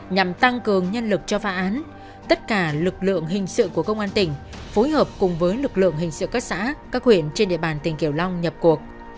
nhằm tăng cường nhân lực cho phá án tất cả lực lượng hình sự của công an tỉnh phối hợp cùng với lực lượng hình sự các xã các huyện trên địa bàn tỉnh kiều long nhập cuộc